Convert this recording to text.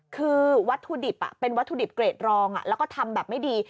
คือวัตถุดิบเป็นวัตถุดิบเกรดรองแล้วก็ทำแบบไม่ดี